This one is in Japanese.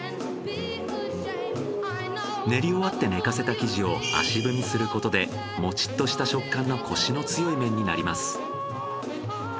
練り終わって寝かせた生地を足踏みすることでモチッとした食感のコシの強い麺になります。